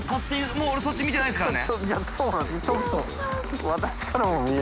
もう俺そっち見てないですからね。